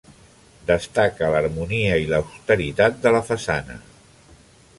Destaca l'harmonia i l'austeritat de la façana.